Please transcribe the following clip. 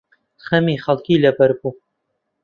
خەمی خەڵکی لەبەر بوو